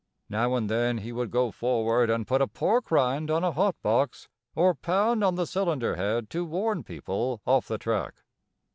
Now and then he would go forward and put a pork rind on a hot box or pound on the cylinder head to warn people off the track.